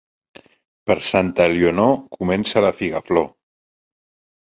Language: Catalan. Per Santa Elionor comença la figaflor.